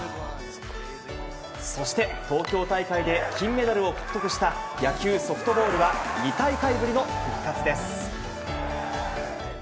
そして、東京大会で金メダルを獲得した野球・ソフトボールは２大会ぶりの復活です。